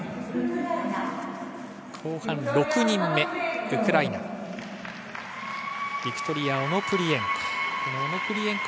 後半６人目、ウクライナ、ビクトリア・オノプリエンコ。